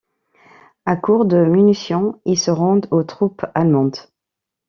À court de munitions, ils se rendent aux troupes allemandes.